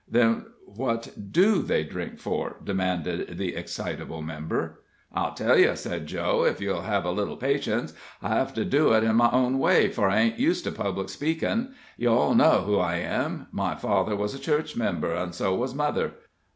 "Then what do they drink for?" demanded the excitable member. "I'll tell you," said Joe, "if you'll have a little patience. I have to do it in my own way, for I ain't used to public speakin'. You all know who I am. My father was a church member, an' so was mother.